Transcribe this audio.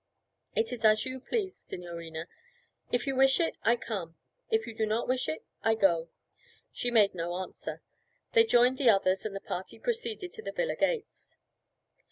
'It is as you please, signorina. If you wish it, I come, if you do not wish it, I go.' She made no answer. They joined the others and the party proceeded to the villa gates.